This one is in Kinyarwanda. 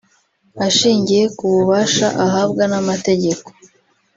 Ashingiye ku bubasha ahabwa n’amategeko